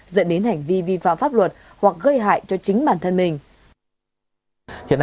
dẫn đến hành vi vi phạm pháp luật hoặc gây hại cho chính bản thân mình